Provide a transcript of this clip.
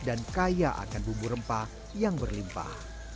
dan kaya akan bumbu rempah yang berlimpah